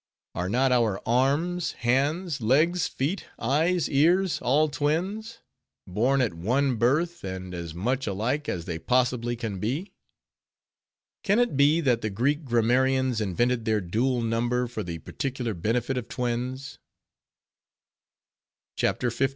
Are not our arms, hands, legs, feet, eyes, ears, all twins; born at one birth, and as much alike as they possibly can be? Can it be, that the Greek grammarians invented their dual number for the particular benefit of twins? CHAPTER LIV.